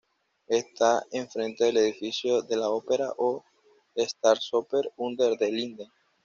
Está enfrente del edificio de la ópera o Staatsoper Unter den Linden.